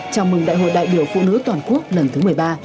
chào mừng đại hội đại biểu phụ nữ toàn quốc lần thứ một mươi ba